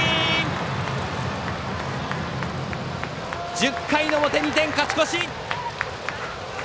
１０回の表、２点勝ち越し！